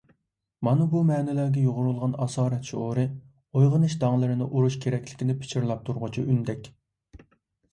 مانا بۇ مەنىلەرگە يۇغۇرۇلغان «ئاسارەت» شۇئۇرى ئويغىنىش داڭلىرىنى ئۇرۇش كېرەكلىكىنى پىچىرلاپ تۇرغۇچى ئۈندەك.